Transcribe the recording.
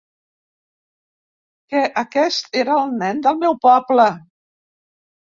Que aquest era el nen del meu poble.